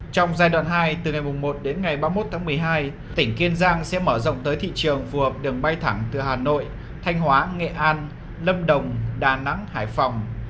trong giai đoạn hai từ ngày một đến ngày ba mươi một tháng một mươi hai tỉnh kiên giang sẽ mở rộng tới thị trường phù hợp đường bay thẳng từ hà nội thanh hóa nghệ an lâm đồng đà nẵng hải phòng